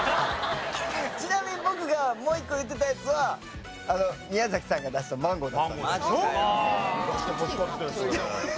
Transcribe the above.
ちなみに僕がもう１個言ってたやつは宮崎さんが出したマジで欲しかったよそれ。